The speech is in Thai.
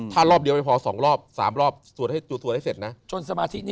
ถ้ารอบเดียวไม่พอ๒รอบ๓รอบสวดให้เสร็จนะ